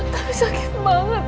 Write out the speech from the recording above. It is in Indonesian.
tapi sakit banget tante